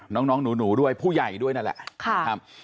น้องหนูด้วยผู้ใหญ่ด้วยนั่นแหละนะครับ